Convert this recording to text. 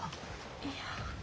いや。